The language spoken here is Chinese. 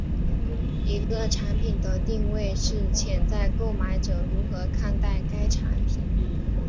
一个产品的定位是潜在购买者如何看待该产品。